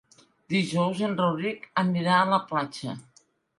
Dijous en Rauric anirà a la platja.